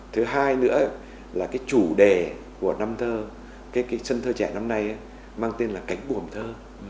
thứ hai nữa là cái chủ đề của năm thơ cái sân thơ trẻ năm nay mang tên là cánh bùm thơ